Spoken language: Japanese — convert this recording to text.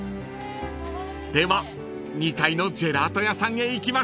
［では２階のジェラート屋さんへ行きましょう］